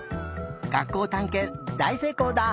学校たんけんだいせいこうだ！